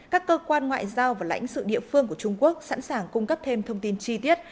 các cơ quan ngoại giao và lãnh sự địa phương của trung quốc sẵn sàng cung cấp thêm thông tin chi tiết